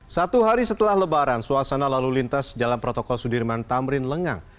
satu hari setelah lebaran suasana lalu lintas jalan protokol sudirman tamrin lengang